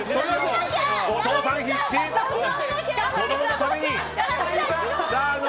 子供のために！